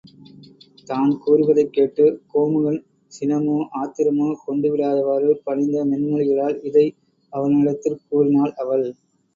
தான் கூறுவதைக் கேட்டுக் கோமுகன் சினமோ ஆத்திரமோ கொண்டு விடாதவாறு பணிந்த மென்மொழிகளால் இதை அவனிடத்திற் கூறினாள் அவள்.